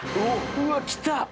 うわっ来た。